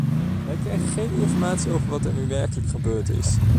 We krijgen geen informatie over wat er nu werkelijk gebeurd is.